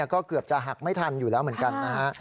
ก็เกือบจะหักไม่ทันอยู่แล้วเหมือนกันนะฮะ